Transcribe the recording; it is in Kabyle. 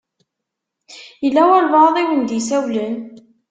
Yella walebɛaḍ i wen-d-isawlen.